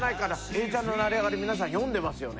永ちゃんの『成りあがり』皆さん読んでますよね。